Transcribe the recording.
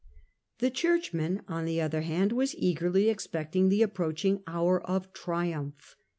The Churchman on the other hand was eagerly expecting the approaching hour of triumph.